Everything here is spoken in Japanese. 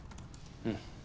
うん。